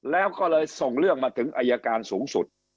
แล้วก็เลยส่งเรื่องมาถึงอายการสูงสุด